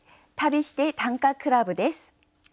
「旅して短歌クラブ」です。